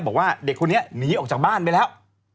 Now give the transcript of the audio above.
บอกว่าเด็กคนนี้หนีออกจากบ้านไปแล้ว